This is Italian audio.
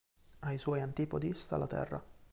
Ai suoi antipodi sta la terra.